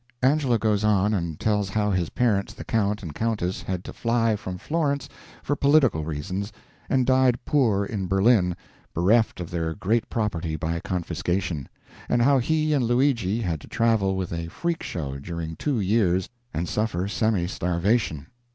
[Angelo goes on and tells how his parents the Count and Countess had to fly from Florence for political reasons, and died poor in Berlin bereft of their great property by confiscation; and how he and Luigi had to travel with a freak show during two years and suffer semi starvation.